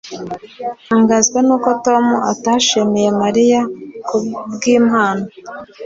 ] ntangazwa nuko tom atashimiye mariya kubwimpano.